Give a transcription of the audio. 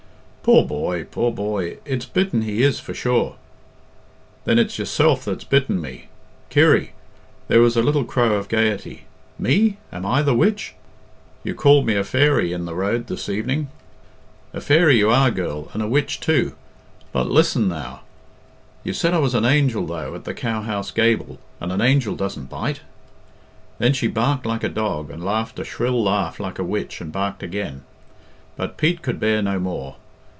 "Poor boy! Poor boy! it's bitten he is, for sure." "Then it's yourself that's bitten me. Kirry " There was a little crow of gaiety. "Me? Am I the witch? You called me a fairy in the road this evening." "A fairy you are, girl, and a witch too; but listen, now " "You said I was an angel, though, at the cowhouse gable; and an angel doesn't bite." Then she barked like a dog, and laughed a shrill laugh like a witch, and barked again. But Pete could bear no more.